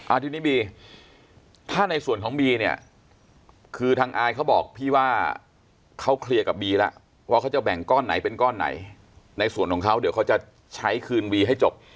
ทีนี้บีถ้าในส่วนของบีเนี่ยคือทางอายเขาบอกพี่ว่าเขาเคลียร์กับบีแล้วว่าเขาจะแบ่งก้อนไหนเป็นก้อนไหนในส่วนของเขาเดี๋ยวเขาจะใช้คืนวีให้จบ